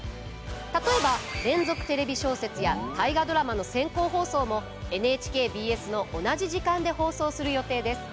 例えば「連続テレビ小説」や「大河ドラマ」の先行放送もＮＨＫＢＳの同じ時間で放送する予定です。